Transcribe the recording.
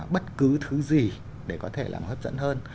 bất cứ thứ gì để có thể làm hấp dẫn hơn